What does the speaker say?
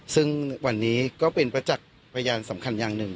ซึ่งวันนี้ก็เป็นประจักษ์พยานสำคัญอย่างหนึ่ง